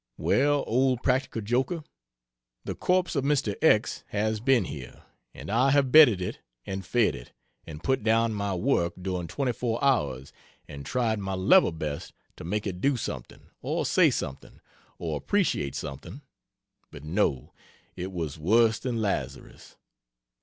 Well, old practical joker, the corpse of Mr. X has been here, and I have bedded it and fed it, and put down my work during 24 hours and tried my level best to make it do something, or say something, or appreciate something but no, it was worse than Lazarus.